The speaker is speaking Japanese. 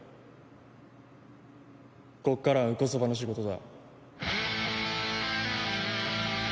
こっからはンコソパの仕事だ。